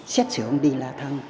xét xử ông đinh la thăng